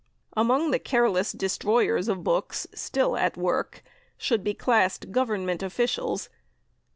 Among the careless destroyers of books still at work should be classed Government officials.